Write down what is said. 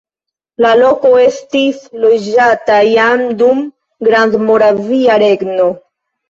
La loko estis loĝata jam dum Grandmoravia Regno.